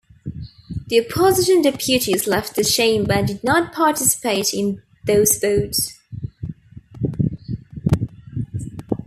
The opposition deputies left the chamber and did not participate in those votes.